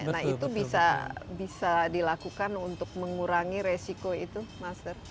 nah itu bisa dilakukan untuk mengurangi resiko itu master